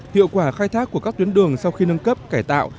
hiệu quả khai thác của các tuyến đường sau khi nâng cấp cải tạo